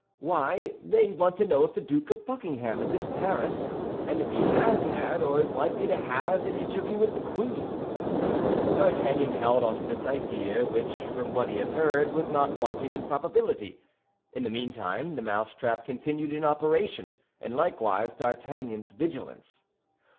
Why, they want to know if the Duke of Buckingham is in Paris, and if he has had, or is likely to have, an interview with the queen." D'Artagnan held onto this idea, which, from what he had heard, was not wanting in probability. In the meantime, the mousetrap continued in operation, and likewise D'Artagnan's vigilance.